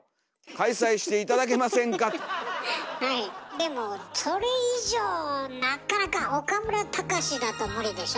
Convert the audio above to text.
でもそれ以上なかなか「おかむらたかし」だと無理でしょ？